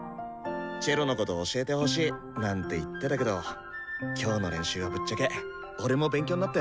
「チェロのこと教えてほしい」なんて言ってたけど今日の練習はぶっちゃけ俺も勉強になったよ。